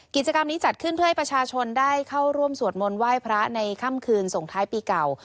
กิจกรรมนี้จัดขึ้นเพื่อให้ประชาชนได้เข้าร่วมสวดมนต์ไหว้พระในค่ำคืนส่งท้ายปีเก่า